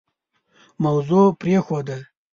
موضوع پرېښوده.